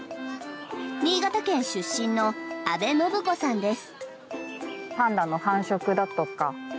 新潟県出身の阿部展子さんです。